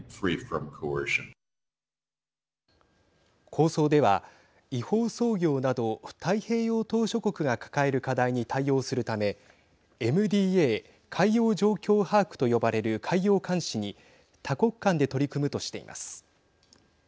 構想では違法操業など太平洋島しょ国が抱える課題に対応するためＭＤＡ＝海洋状況把握と呼ばれる海洋監視に多国間で取り組むとしています。